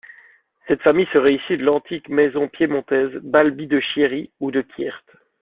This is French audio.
Cette famille serait issue de l'antique maison piémontaise Balbi de Chieri ou de Quiert.